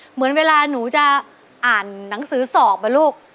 เหมือนเวลาหนูจะอ่านหนังสือสอบป่ะลูก